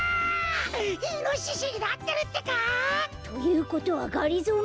イノシシになってるってか！？ということはがりぞー